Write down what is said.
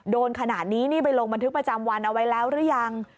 โดนขนาดนี้นี่ไปลงบันทึกประจำวันเอาไว้แล้วหรือยัง